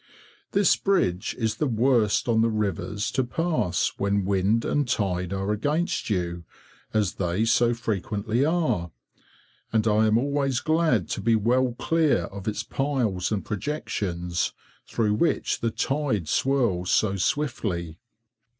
This bridge is the worst on the rivers to pass when wind and tide are against you, as they so frequently are, and I am always glad to be well clear of its piles and projections, through which the tide swirls so swiftly.